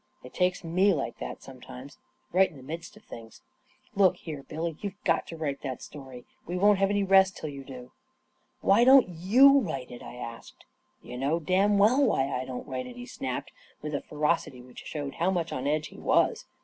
" It takes me like that, sometimes. Right in* the midst of things. Look 4 A KING IN BABYLON here, Billy, you've got to write that story 1 We won't have any rest till you do 1 "" Why don't you write it? " I asked. " You know damn well why I don't write it," he snapped, with a ferocity which showed how much on edge he was.